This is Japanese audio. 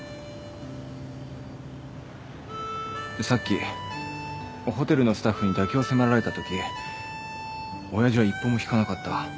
さっきホテルのスタッフに妥協を迫られたとき親父は一歩も引かなかった。